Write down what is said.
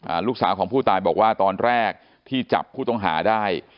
ลูกสาวของผู้ตายบอกว่าตอนแรกที่จับผู้ต้องหาได้